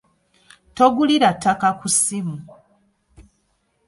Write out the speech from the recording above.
Togulira ttaka ku ssimu.